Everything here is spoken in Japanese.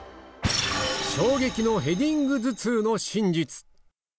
衝撃のヘディング頭痛の真実！